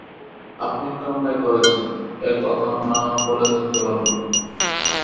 আপনি একটা অন্যায় করছেন–এ-কথা না বলে থাকতে পারলুম না।